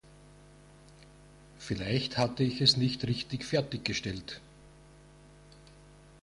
Vielleicht hatte ich es nicht richtig fertiggestellt.